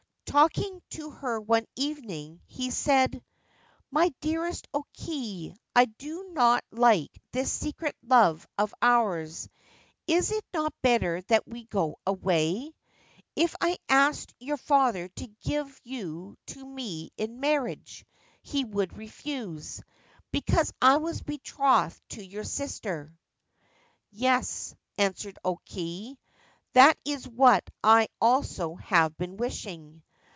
Talking to her one evening, he said : c My dearest O Kei, I do not like this secret love of ours. Is it not better that we go away ? If I asked your father to give you to me in marriage he would refuse, because I was betrothed to your sister/ 4 Yes/ answered O Kei :' that is what I also have been wishing.